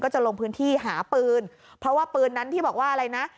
จะลงพื้นที่หาปืนเพราะว่าปืนนั้นที่บอกว่าอะไรนะ